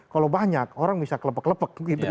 kalau banyak orang bisa kelepek kelepek gitu ya